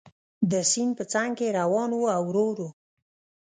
د سیند په څنګ څنګ کې روان و او ورو ورو.